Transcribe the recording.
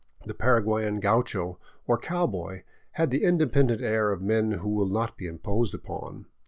The Para guayan gaucho, or cow boy, had the independent air of men who will not be imposed upon.